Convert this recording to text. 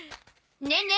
ねえねえ！